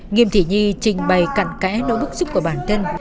nghiêm thị nhi trình bày cặn kẽ nỗi bức xúc của bản thân